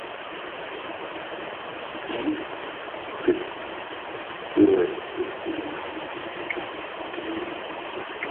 Bolkusol ɓa fe kénzukri ɓá toŋ.